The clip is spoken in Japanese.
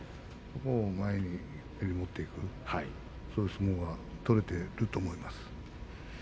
前に持っていくそういう相撲が取れていると思います。